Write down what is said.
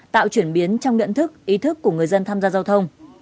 tạo chuyển biến trong nhận thức ý thức của người dân tham gia giao thông